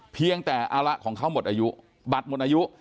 เพียงแต่เอาละของเขาหมดอายุบัตรหมดอายุ